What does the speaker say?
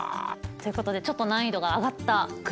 ということでちょっと難易度が上がったクイズでした。